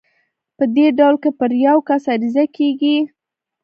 په دې ډول کې پر يو کس عريضه کېږي.